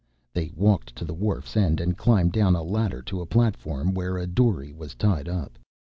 They walked to the wharf's end and climbed down a ladder to a platform where a dory was tied up.